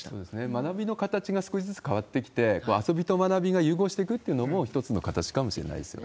学びの形が少しずつ変わってきて、遊びと学びが融合していくというのも一つの形かもしれないですよ